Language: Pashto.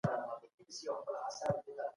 دوی به نوي مولده پانګه موندلې وي.